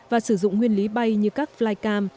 và sử dụng nguyên lý bay như các flycam